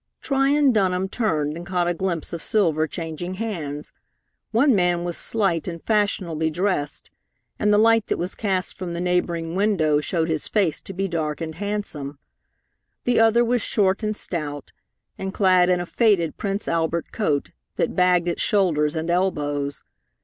Tryon Dunham turned and caught a glimpse of silver changing hands. One man was slight and fashionably dressed, and the light that was cast from the neighboring window showed his face to be dark and handsome. The other was short and stout, and clad in a faded Prince Albert coat that bagged at shoulders and elbows.